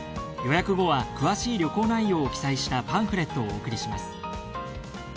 予約後は詳しい旅行内容を記載したパンフレットをお送りします。